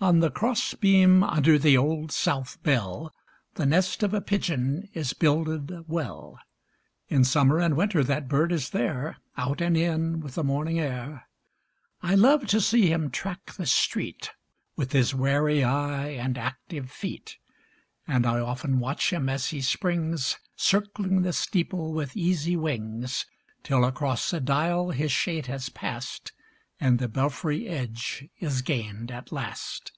On the cross beam under the Old South bell The nest of a pigeon is builded well. B I li (88) In summer and winter that bird is there, Out and in with the morning air : I love to see him track the street, Witli his wary eye and active feet ; And 1 often watch him as he springs. Circling the steeple with easy wings. Till across the dial his shade has pass'd, And the belfry edge is gain'd at last.